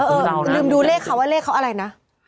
เออลืมดูเลขค่ะว่าเลขเขาอะไรนะ